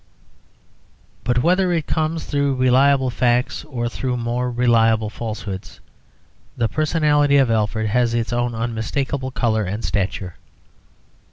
But whether it come through reliable facts or through more reliable falsehoods the personality of Alfred has its own unmistakable colour and stature.